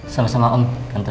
sama sama om tante